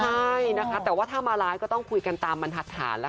ใช่นะคะแต่ว่าถ้ามาไลฟ์ก็ต้องคุยกันตามมันทัดฐานแหละค่ะ